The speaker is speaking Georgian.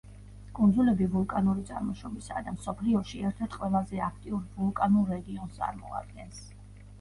კუნძულები ვულკანური წარმოშობისაა და მსოფლიოში ერთ-ერთ ყველაზე აქტიურ ვულკანურ რეგიონს წარმოადგენს.